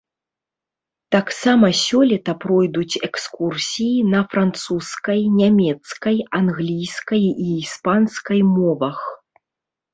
Таксама сёлета пройдуць экскурсіі на французскай, нямецкай, англійскай і іспанскай мовах.